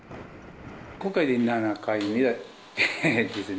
今回で７回目ですね。